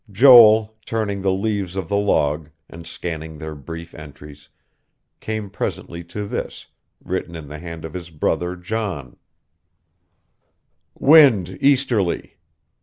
Joel, turning the leaves of the Log, and scanning their brief entries, came presently to this written in the hand of his brother John: "Wind easterly.